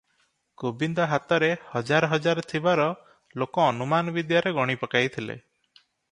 ଗୋବିନ୍ଦ ହାତରେ ହଜାର ହଜାର ଥିବାର ଲୋକ ଅନୁମାନ ବିଦ୍ୟାରେ ଗଣି ପକାଇଥିଲେ ।